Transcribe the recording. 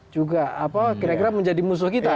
juga kira kira menjadi musuh kita